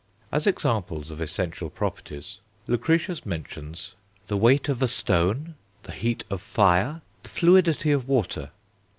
As examples of essential properties, Lucretius mentions "the weight of a stone, the heat of fire, the fluidity of water."